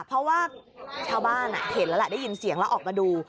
เพราะว่าชาวบ้านเห็นแล้วแหละได้ยินเสียงแล้วออกมาดู